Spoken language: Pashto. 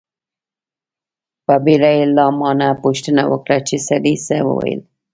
په بیړه یې له ما نه پوښتنه وکړه چې سړي څه و ویل.